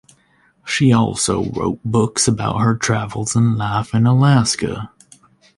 She also wrote books about her travels and life in Alaska.